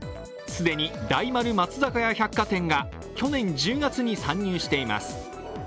既に大丸松坂屋百貨店が去年１０月に参入しています。